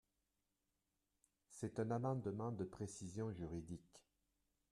C’est un amendement de précision juridique.